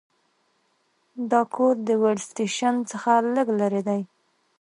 دا کور د ویلډ سټیشن څخه لږ لرې دی